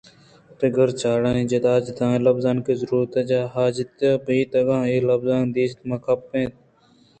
پگر ءُچاڑانی جتا جتائیں لبزانی ضرورت ءُحاجت بیت ءُاگاں اے لبز دست مہ کپ اَنت گُڑا رجگ ءِ کار جوان بوت نہ کنت